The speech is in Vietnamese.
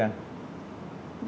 vâng thưa quý vị